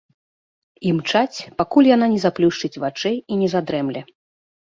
Імчаць, пакуль яна не заплюшчыць вачэй і не задрэмле.